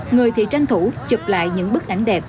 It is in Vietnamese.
người thì tranh thủ chụp lại những bức ảnh đẹp